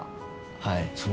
はい。